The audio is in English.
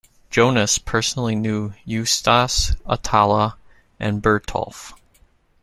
Jonas personally knew Eustace, Attala, and Bertulf.